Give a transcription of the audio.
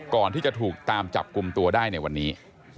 ก่อนที่จะถูกตามจับกลุ่มตัวได้ในวันนี้